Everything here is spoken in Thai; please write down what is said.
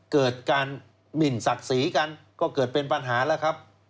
เกิดการหมินศักดิ์ศรีกันก็เกิดเป็นปัญหาแล้วครับ